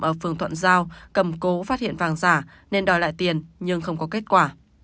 ở phường thuận giao cầm cố phát hiện vàng giả nên đòi lại tiền nhưng không có kết quả